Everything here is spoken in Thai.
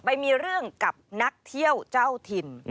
ไปมีเรื่องกับนักเที่ยวเจ้าถิ่น